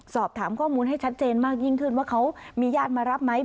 สอบถามข้อมูลให้ชัดเจนมากยิ่งขึ้นว่าเขามีญาติมารับไหม